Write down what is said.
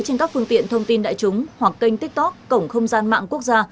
trên các phương tiện thông tin đại chúng hoặc kênh tiktok cổng không gian mạng quốc gia